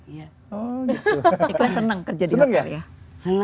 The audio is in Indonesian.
ikhlas senang kerja di hotel ya